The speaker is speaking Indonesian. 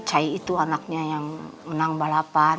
cai itu anaknya yang menang balapan